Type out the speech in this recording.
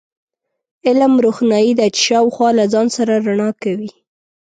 علم، روښنایي ده چې شاوخوا له ځان سره رڼا کوي.